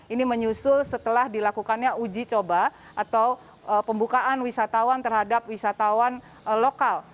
ini menyusul setelah dilakukannya uji coba atau pembukaan wisatawan terhadap wisatawan lokal